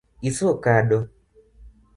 Iso kado